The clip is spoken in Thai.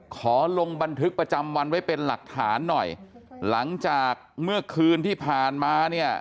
ขอลงบันทึกประจำวันไว้เป็นหลักฐานหน่อยหลังจากเมื่อคืนที่ผ่านมาเนี่ย